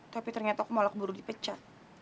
tapi ternyata malah aku buru dipecat